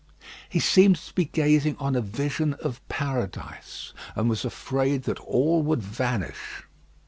He seemed to be gazing on a vision of paradise, and was afraid that all would vanish.